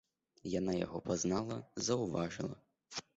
Яна яго пазнала, заўважыла.